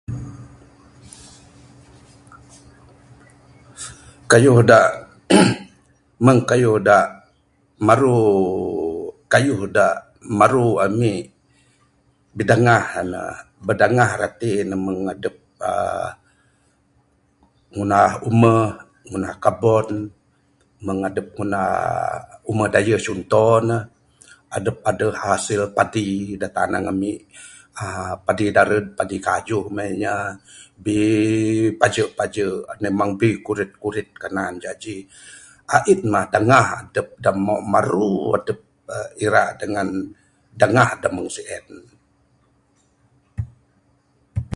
Kayuh da mung kayuh da maru, kayuh da maru amik bidangah ne. Bidangah rati ne mung adup uhh ngundah umuh, ngundah kabon, mung adup ngundah umuh dayuh conto ne. Adup aduh hasil padi da tanang amik uhh padi darud, padi kajuh ma'eh nya. Be paje paje, memang bi kurit kurit kanan. Jaji a'in mah dangah adup da maru uhh ira dengan dangah da mung si'en.